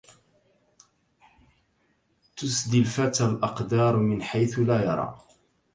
تسدي الفتى الأقدار من حيث لا يرى